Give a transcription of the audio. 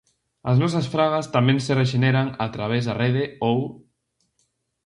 As nosas fragas tamén se rexeneran a través da Rede ou.